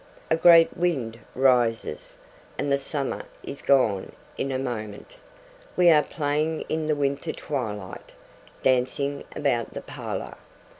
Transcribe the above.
A great wind rises, and the summer is gone in a moment. We are playing in the winter twilight, dancing about the parlour.